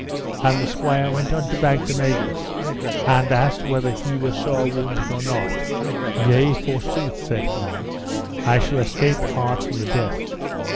And the squire went unto Bagdemagus and asked whether he were sore wounded or not. Yea forsooth, said he, I shall escape hard from the death.